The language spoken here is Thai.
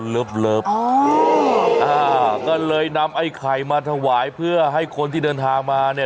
เลิฟอ๋ออ่าก็เลยนำไอ้ไข่มาถวายเพื่อให้คนที่เดินทางมาเนี่ย